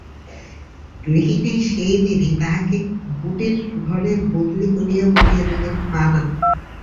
গৃহিণী সেই দিনই তাঁহাকে বুটির ঘরে বদলি করিয়া বলিয়া দিলেন, পা না।